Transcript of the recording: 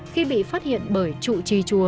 khi bị phát hiện bởi trụ trì chùa